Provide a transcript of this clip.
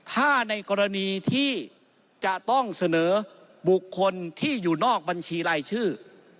ถ้าในกรณีที่จะต้องเสนอบุคคลที่อยู่นอกบัญชีรายชื่อ